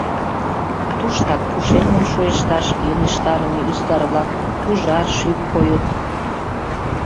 Туштак пушеҥгым шуэшташ йӧнештарыме ӱзгар-влак, пужар шӱк койыт.